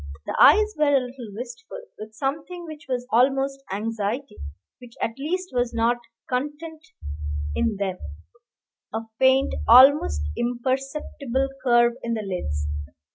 The eyes were a little wistful, with something which was almost anxiety which at least was not content in them; a faint, almost imperceptible, curve in the lids.